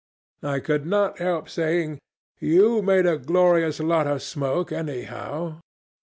I could not help saying, 'You made a glorious lot of smoke, anyhow.'